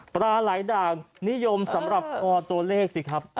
ปลาไหลด่างนิยมสำหรับคอตัวเลขสิครับ